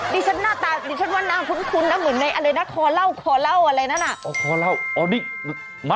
นี่ฉันน่าตานี่ฉันว่าน่าภูมิคุ้นนะเหมือนในอะไรนะคอเหล้าคอเหล้าอะไรนั่นอ่ะ